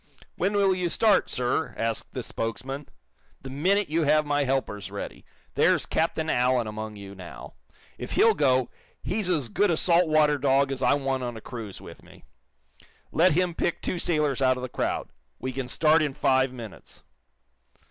"When will you start, sir?" asked the spokesman. "The minute you have my helpers ready. There's Captain Allen among you now. If he'll go, he's as good a salt water dog as I want on a cruise with me. Let him pick two sailors out of the crowd. We can start in five minutes."